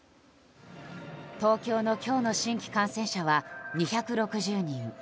東京の今日の新規感染者は２６０人。